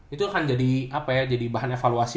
itu akan jadi apa ya jadi bahan evaluasi